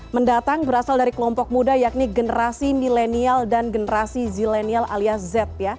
mendatang berasal dari kelompok muda yakni generasi milenial dan generasi zilenial alias z